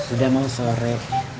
udah mau sore